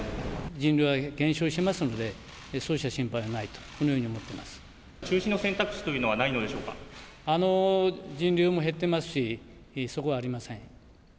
人流は減少していますので、そうした心配はないと、このよう中止の選択肢というのはない人流も減ってますし、そこはありません。